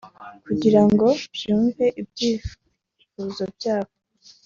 kugirango byumve ibyifuzo byabo